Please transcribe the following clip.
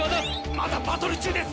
まだバトル中です。